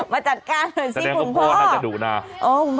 มาจัดการหน่อยสิคุณพ่อ